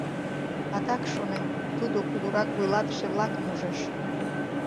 Адак, шонем, тудо кугурак вуйлатыше-влакым ужеш».